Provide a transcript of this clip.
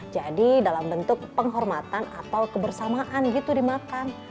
jadi dalam bentuk penghormatan atau kebersamaan gitu dimakan